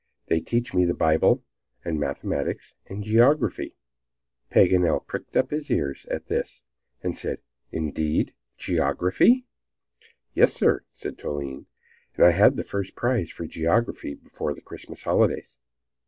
"They teach me the Bible, and mathematics, and geography." Paganel pricked up his ears at this, and said, "Indeed, geography!" "Yes, sir," said Toline; "and I had the first prize for geography before the Christmas holidays."